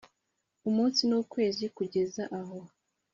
umunsi n ukwezi kugeza aho